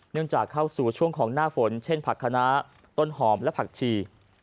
จากเข้าสู่ช่วงของหน้าฝนเช่นผักคณะต้นหอมและผักชี